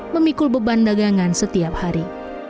memikul beban dagangan setiap hari